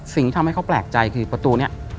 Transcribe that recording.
สิ่งที่ทำให้เขาแปลกใจคือประตูนี้